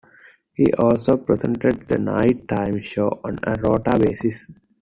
He also presented the night-time show on a rota basis.